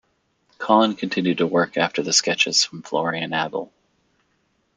Collin continued to work after the sketches from Florian Abel.